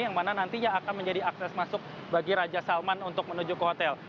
yang mana nantinya akan menjadi akses masuk bagi raja salman untuk menuju ke hotel